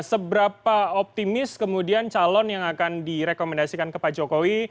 seberapa optimis kemudian calon yang akan direkomendasikan ke pak jokowi